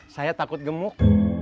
saya takut gemuk